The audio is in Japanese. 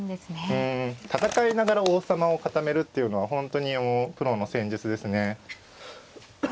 うん戦いながら王様を固めるっていうのは本当にプロの戦術ですね。